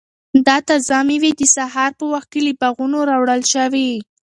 دا تازه مېوې د سهار په وخت کې له باغونو راوړل شوي.